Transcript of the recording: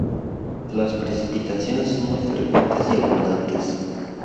Las precipitaciones son muy frecuentes y abundantes.